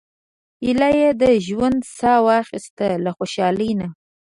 ایله یې د ژوند سا واخیسته له خوشالۍ نه.